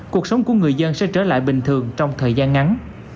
cuộc sống của người dân sẽ trở lại bình thường trong thời gian ngắn